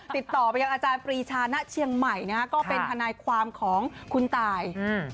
ติดต่อไปยังอาจารย์ปรีชาณเชียงใหม่นะฮะก็เป็นทนายความของคุณตายอืม